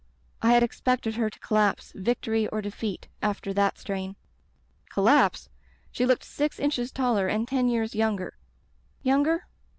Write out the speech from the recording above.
I had expected her to collapse, victory or defeat — after that strain. Collapse! She looked six inches taller and ten years younger. Younger?